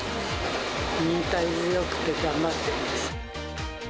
忍耐強く頑張ってます。